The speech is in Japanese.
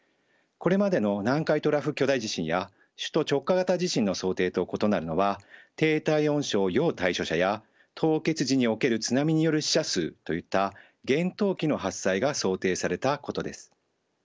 これまでの南海トラフ巨大地震や首都直下型地震の想定と異なるのは低体温症要対処者や凍結時における津波による死者数といった厳冬期の発災が想定されたことです。